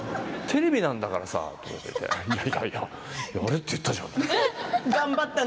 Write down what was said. テレビなんだからさってやれって言ったじゃんって。